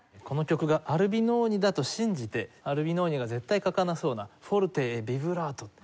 この曲がアルビノーニだと信じてアルビノーニが絶対書かなそうなフォルテビブラート。